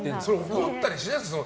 怒ったりしないんですか。